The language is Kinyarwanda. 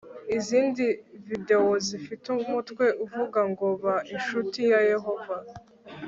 izindi videwo zifite umutwe uvuga ngo ba incuti ya yehova